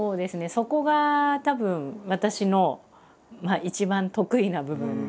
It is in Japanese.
そこがたぶん私の一番得意な部分で。